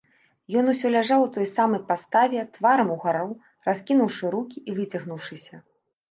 Ён усё ляжаў у той самай паставе, тварам угару, раскінуўшы рукі і выцягнуўшыся.